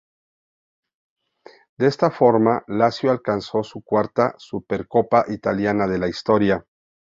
De esta forma, Lazio alcanzó su cuarta Supercopa Italiana de la historia.